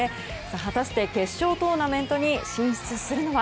果たして決勝トーナメントに進出するのは。